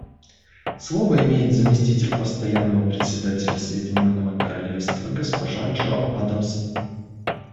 Слово имеет заместитель Постоянного представителя Соединенного Королевства госпожа Джо Адамсон.